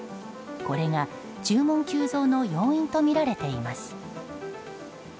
これが注文急増の要因とみられています。